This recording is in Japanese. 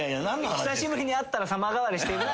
久しぶりに会ったら様変わりしている。